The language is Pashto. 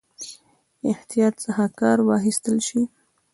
احتیاط څخه کار واخیستل شي.